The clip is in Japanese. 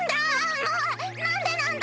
もうなんでなんだ！